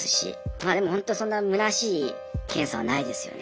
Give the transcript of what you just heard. まあでもほんとそんなむなしい検査はないですよね。